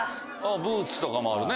ブーツとかもあるね。